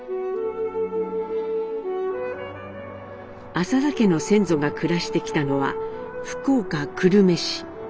浅田家の先祖が暮らしてきたのは福岡・久留米市。